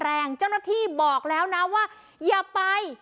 เจ้าหน้าที่บอกแล้วนะว่าอย่าไป